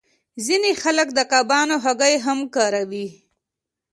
ځینې خلک د کبانو هګۍ هم کاروي